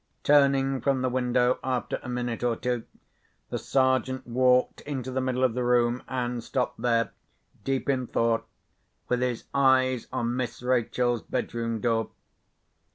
Turning from the window, after a minute or two, the Sergeant walked into the middle of the room, and stopped there, deep in thought, with his eyes on Miss Rachel's bedroom door.